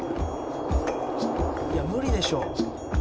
「いや無理でしょう」